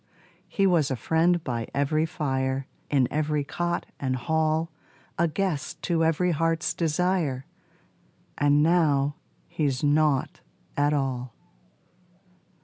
He was a friend by every fire, In every cot and hall A guest to every heart's desire, And now he's nought at all.